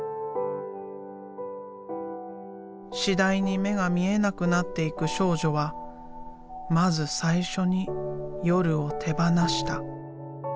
次第に目が見えなくなっていく少女はまず最初に「夜」を手ばなした。